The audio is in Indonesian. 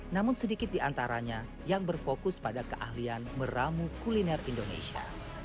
namun sedikit di antaranya yang berfokus pada keahlian meramu kuliner indonesia